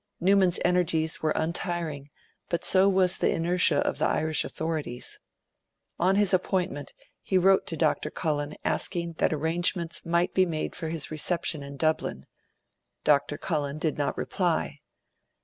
Newman's energies were untiring, but so was the inertia of the Irish authorities. On his appointment, he wrote to Dr. Cullen asking that arrangements might be made for his reception in Dublin. Dr. Cullen did not reply.